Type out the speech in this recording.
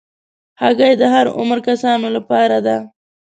هګۍ د هر عمر کسانو لپاره ده.